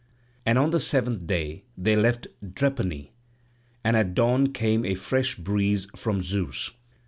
And on the seventh day they left Drepane; and at dawn came a fresh breeze from Zeus.